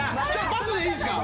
パスでいいですか？